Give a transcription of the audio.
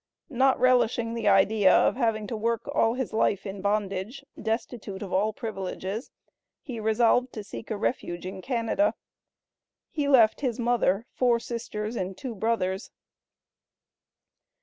Not relishing the idea of having to work all his life in bondage, destitute of all privileges, he resolved to seek a refuge in Canada. He left his mother, four sisters and two brothers.